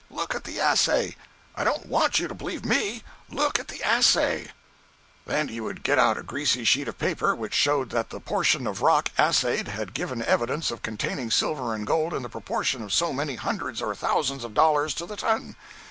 Look at the assay! I don't want you to believe me—look at the assay!" 216.jpg (63K) Then he would get out a greasy sheet of paper which showed that the portion of rock assayed had given evidence of containing silver and gold in the proportion of so many hundreds or thousands of dollars to the ton.